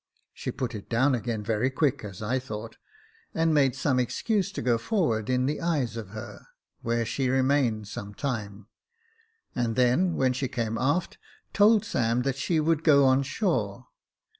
She put it down again very quick, as I thought, and made some excuse to go forward in the eyes of her, where she re mained some time, and then, when she came aft, told Sam that she would go on shore.